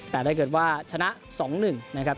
แต่ถ้าเกิดว่าชนะ๒๑นะครับ